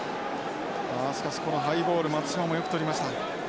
しかしこのハイボール松島もよくとりました。